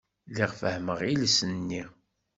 Lliɣ fehhmeɣ iles-nni.